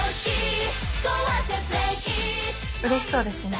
うれしそうですね。